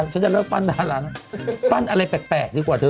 ฉันจะเลือกปั้นดาลาปั้นอะไรแปลกดีกว่าเธอ